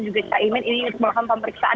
juga chaimin ini semuanya pemeriksaan